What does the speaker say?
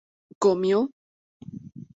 comió